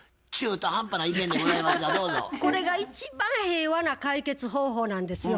これが一番平和な解決方法なんですよ。